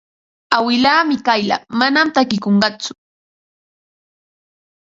Awilaa Mikayla manam takikunqatsu.